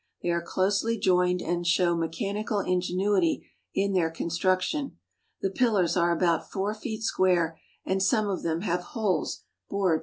They are closely joined and show mechanical ingenuity in their construction. The pillars are about four feet square, and some of them have holes bored through the corners.